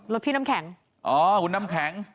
รถพี่น้ำแข็งอ๋อรถพี่น้ำแข็ง